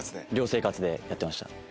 寮生活でやってました。